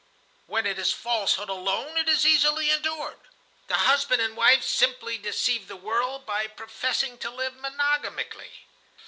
When it is falsehood alone, it is easily endured. The husband and wife simply deceive the world by professing to live monogamically.